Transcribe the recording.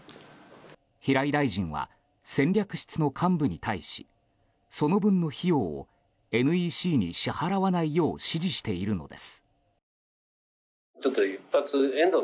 平井大臣は戦略室の幹部に対しその分の費用をＮＥＣに支払わないよう指示しているのです。